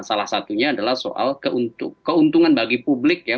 salah satunya adalah soal keuntungan bagi publik ya